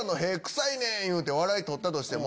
いうて笑い取ったとしても。